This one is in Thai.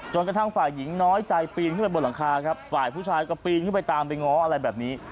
กระทั่งฝ่ายหญิงน้อยใจปีนขึ้นไปบนหลังคาครับฝ่ายผู้ชายก็ปีนขึ้นไปตามไปง้ออะไรแบบนี้